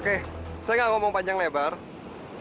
terima kasih melihat video ini